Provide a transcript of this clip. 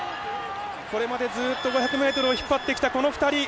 これまでずっと５００ｍを引っ張ってきた子の２人。